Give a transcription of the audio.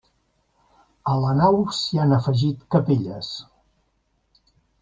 A la nau s'hi han afegit capelles.